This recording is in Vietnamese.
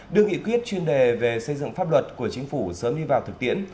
đưa nghị quyết chuyên đề về xây dựng pháp luật của chính phủ sớm đi vào thực tiễn